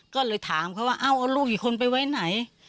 ก็เลยถามเขาว่าเอ้าเอาลูกอีกคนไปไว้ไหน